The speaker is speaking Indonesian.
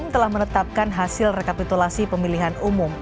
telah menetapkan hasil rekapitulasi pemilihan umum